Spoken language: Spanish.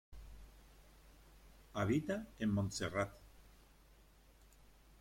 Habita en Montserrat.